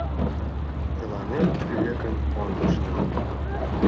— Тыланет пӧлекым кондышна.